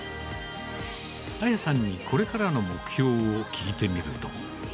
あやさんにこれからの目標を聞いてみると。